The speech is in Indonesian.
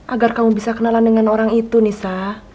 agar kamu bisa kenalan dengan orang itu nisa